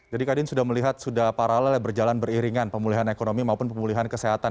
jadi kak din sudah melihat sudah paralel ya berjalan beriringan pemulihan ekonomi maupun pemulihan kesehatan